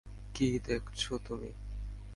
কী দেখছো তুমি?